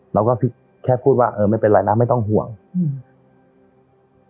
เราก็แค่พูดว่าเออไม่เป็นไรนะไม่ต้องห่วงอืม